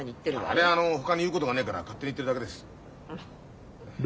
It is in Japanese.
あれはあのほかに言うことがねえから勝手に言ってるだけです。